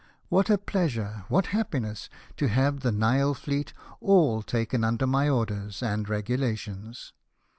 What a pleasure, what happiness, to have the Nile fleet all taken under my orders and regulations